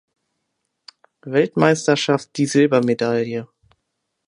Weltmeisterschaft die Silbermedaille.